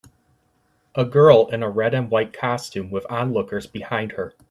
A girl in a red and white costume with onlookers behind her.